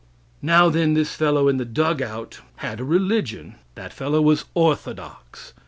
Now, then, this fellow in the dug out had a religion. That fellow was orthodox.